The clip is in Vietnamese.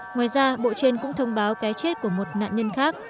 ngoài ra bộ trên cũng thông báo cái chết của một nạn nhân khác